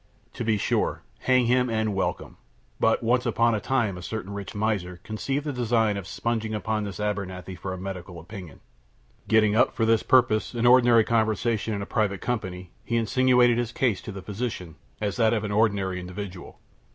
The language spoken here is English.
"To be sure! Hang him and welcome. But, once upon a time, a certain miser conceived the design of spunging upon this Abernethy for a medical opinion. Getting up, for this purpose, an ordinary conversation in a private company, he insinuated his case to the physician as that of an imaginary individual."